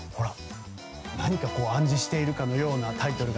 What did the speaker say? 何かを暗示しているかのようなタイトル。